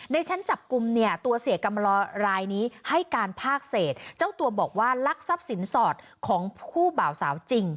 ในชั้นจับกลุ่มเนี่ยตัวเสียกรรมลอรายนี้ให้การภาคเศษเจ้าตัวบอกว่าลักทรัพย์สินสอดของผู้บ่าวสาวจริง